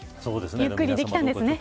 ゆっくりできたんですね。